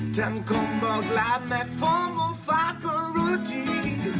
เต็มความบอกหลักแม่งฟังว่าฝากรุ่นที่